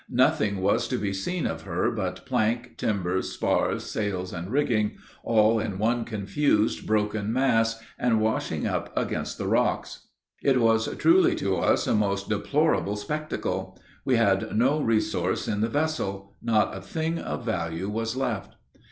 Nothing was to be seen of her but plank, timbers, spars, sails, and rigging, all in one confused, broken mass, and washing up against the rocks. It was truly to us a most deplorable spectacle. We had no resource in the vessel; not a thing of value was left.